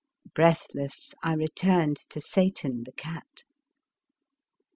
Breathless I returned to Satan, the cat.